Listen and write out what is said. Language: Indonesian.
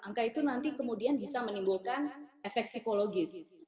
angka itu nanti kemudian bisa menimbulkan efek psikologis